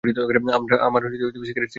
আমার সিগারেট লাগবে।